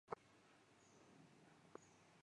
长瓣兜兰为兰科兜兰属下的一个种。